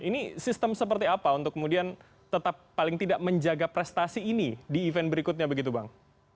ini sistem seperti apa untuk kemudian tetap paling tidak menjaga prestasi ini di event berikutnya begitu bang